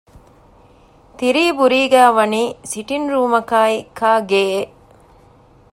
ތިރީބުރީގައި ވަނީ ސިޓިންގ ރޫމަކާއި ކާގެއެއް